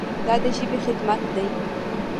دا د ژبې خدمت دی.